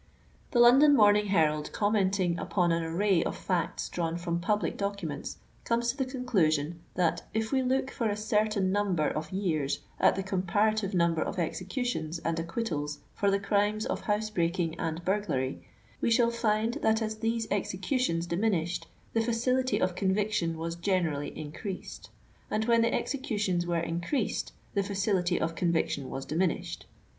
The London Morning Herald commenting upon an array of fdiCis drawn from public documents, comes to the conclusion, that if we look for a certain number of years at the compara tive number of executions and acquittals for the crimes of house breaking and burglary, we shall find that as these executions diminished, the facility of conviction was generally increased, and when the executions were increased, the facility of con viction was diminished.